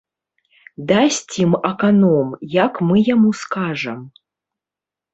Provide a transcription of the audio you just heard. Дасць ім аканом, як мы яму скажам.